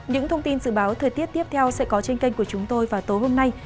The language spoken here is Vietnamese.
những thông tin dự báo thời tiết tiếp theo sẽ có trên kênh của chúng tôi vào tối hôm nay